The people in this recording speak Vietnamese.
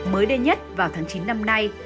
mới đây nhất vào tháng chín năm nay